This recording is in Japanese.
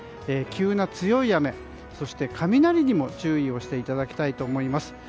急な強い雨、そして雷にも注意をしていただきたいと思います。